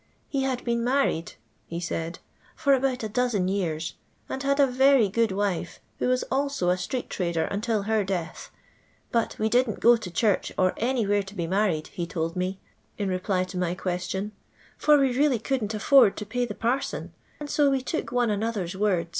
He had been married," ho aiid, " for about a dozen years, and had a very good wife, who was also a itrect tnider until her death ; but " we didn't go to church •r anywhere to be nmrried," he told me, in reply to my qneition, " for we really coridA^ aflord to pay the parson, and so we took one another's wonU.